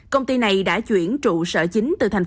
công ty này đã chuyển trụ sở chính từ tp hcm